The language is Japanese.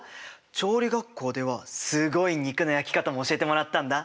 調理学校ではすごい肉の焼き方も教えてもらったんだ。